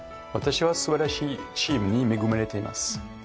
私は素晴らしいチームに恵まれています。